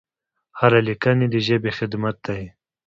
هره لیکنه د ژبې خدمت دی.